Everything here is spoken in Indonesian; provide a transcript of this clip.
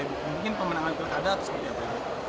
mungkin pemenangan pilih kada atau sebagainya